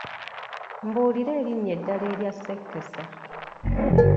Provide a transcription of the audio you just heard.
Mbuulira erinnya eddala erya ssekesa?